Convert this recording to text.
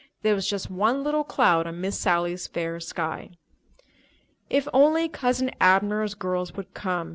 There was just one little cloud on Miss Sally's fair sky. "If only Cousin Abner's girls would come!"